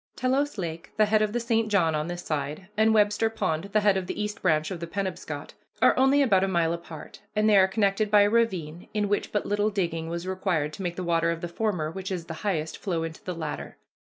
Telos Lake, the head of the St. John on this side, and Webster Pond, the head of the East Branch of the Penobscot, are only about a mile apart, and they are connected by a ravine, in which but little digging was required to make the water of the former, which is the highest, flow into the latter.